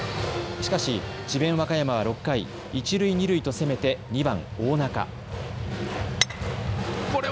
しかし、智弁和歌山は６回、一塁二塁と攻めて２番・大仲。